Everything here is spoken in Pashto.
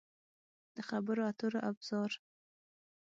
د خبرو اترو ابزار